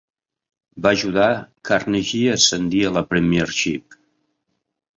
Va ajudar Carnegie a ascendir a la Premiership.